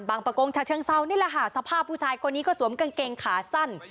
บางประโกงชะเชิงเศร้าในรหาสภาพผู้ชายกว่านี้ก็สวมกางเกงขาสั้น